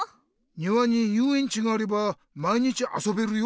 にわにゆうえんちがあれば毎日あそべるよ。